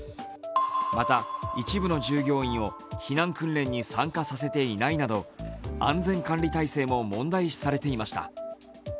また一部の従業員を避難訓練に参加させていないなど安全管理体制も問題視されていました。